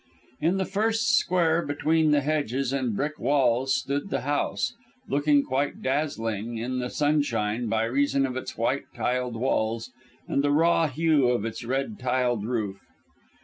In the first square between the hedges and brick walls stood the house, looking quite dazzling in the sunshine by reason of its white tiled walls and the raw hue of its red tiled roof.